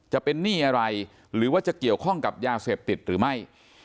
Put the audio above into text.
หนี้อะไรหรือว่าจะเกี่ยวข้องกับยาเสพติดหรือไม่